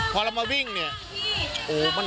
พอเรามาวิ่งเนี่ย